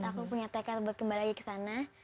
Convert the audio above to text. aku punya tekad untuk kembali lagi kesana